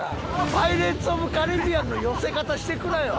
『パイレーツ・オブ・カリビアン』の寄せ方してくなよ。